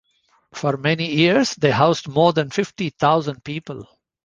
For many years they housed more than fifty thousand people.